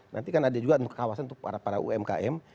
nanti kan ada juga kawasan untuk para umkm